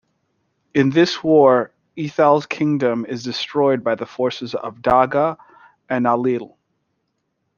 In this war, Ethal's kingdom is destroyed by the forces of Dagda and Ailill.